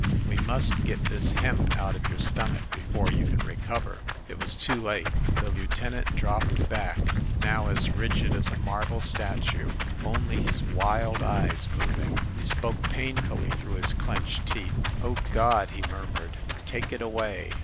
We must get this hemp out of your stomach before you can recover." It was too late. The lieutenant dropped back, now as rigid as a marble statue, only his wild eyes moving. He spoke painfully through his clenched teeth. "Oh, God !" he murmured. "Take it away